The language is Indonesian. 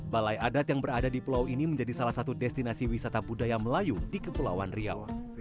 balai adat yang berada di pulau ini menjadi salah satu destinasi wisata budaya melayu di kepulauan riau